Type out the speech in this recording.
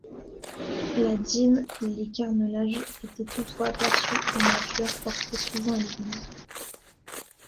La dîme, les carnelages… étaient toutefois perçus, en nature, portés souvent à l'église.